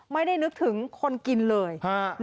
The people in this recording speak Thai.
ไม่ได้นึกถึงคนกินเลย